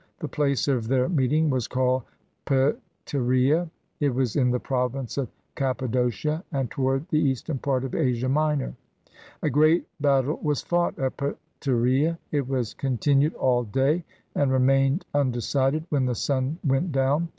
The place of their meet ing was called Pteria. It was in the province of Cappa docia, and toward the eastern part of Asia Minor. A great battle was fought at Pteria. It was continued 318 HOW CYRUS WON THE LAND OF GOLD all day, and remained undecided when the sun went down.